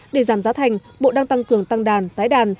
để giảm giá thành bộ đang tăng cường tăng đàn tái đàn